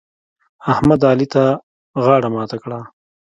احمد؛ علي ته غاړه ماته کړه.